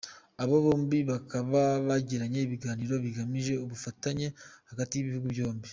Aba bombi bakaba bagiranye ibiganiro bigamije ubufatanye hagati y’ibihugu byombi.